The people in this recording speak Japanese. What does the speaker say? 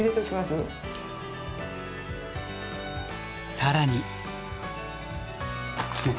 更に。